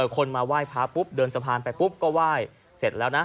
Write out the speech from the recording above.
คนมาไหว้พระปุ๊บเดินสะพานไปปุ๊บก็ไหว้เสร็จแล้วนะ